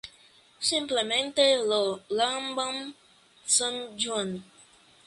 Simplemente lo llamaban San Juan.